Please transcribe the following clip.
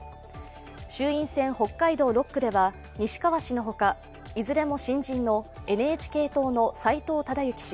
衆院選北海道６区では西川氏の他、いずれも新人のＮＨＫ党の斉藤忠行氏